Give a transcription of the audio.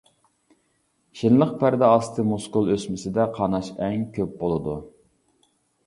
شىللىق پەردە ئاستى مۇسكۇل ئۆسمىسىدە قاناش ئەڭ كۆپ بولىدۇ.